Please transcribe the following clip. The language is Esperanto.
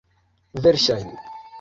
Verŝajne.